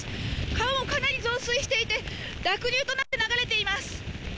川もかなり増水していて、濁流となって流れています。